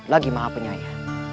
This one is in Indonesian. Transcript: lagi maha penyayang